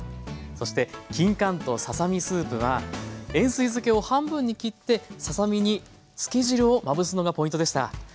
そしてきんかんとささ身スープは塩水漬けを半分に切ってささ身に漬け汁をまぶすのがポイントでした。